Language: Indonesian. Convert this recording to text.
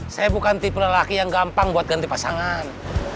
saya bukan tipe lelaki yang gampang buat ganti pasangan